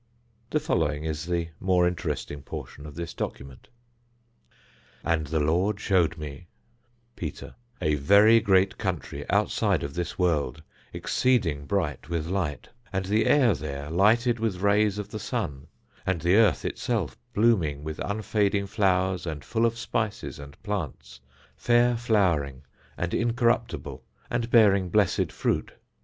The following is the more interesting portion of this document: And the Lord showed me [Peter] a very great country outside of this world, exceeding bright with light, and the air there lighted with rays of the sun, and the earth itself blooming with unfading flowers and full of spices and plants, fair flowering and incorruptible and bearing blessed fruit.